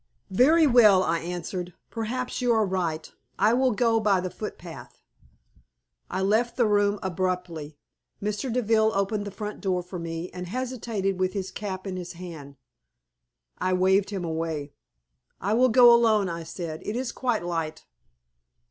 "Very well," I answered; "perhaps you are right, I will go by the footpath." I left the room abruptly. Mr. Deville opened the front door for me, and hesitated with his cap in his hand. I waved him away. "I will go alone," I said. "It is quite light."